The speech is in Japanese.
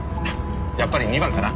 やっぱり２番かな？